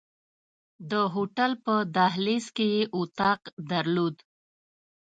د هوټل په دهلیز کې یې اتاق درلود.